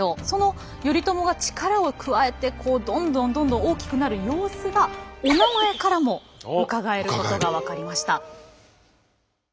その頼朝が力を加えてどんどんどんどん大きくなる様子がおなまえからもうかがえることが分かりました。